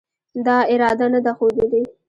دا اراده نه ده ښودلې